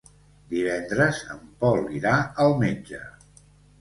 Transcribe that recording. Divendres en Pol irà al metge.